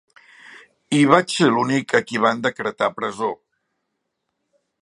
I vaig ser l’únic a qui van decretar presó.